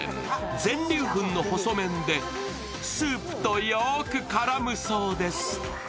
全粒粉の細麺で、スープとよく絡むそうです。